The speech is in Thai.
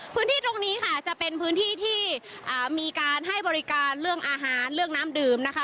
พื้นที่ตรงนี้ค่ะจะเป็นพื้นที่ที่มีการให้บริการเรื่องอาหารเรื่องน้ำดื่มนะคะ